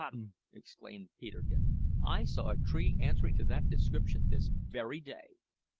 hum!" exclaimed Peterkin; "I saw a tree answering to that description this very day."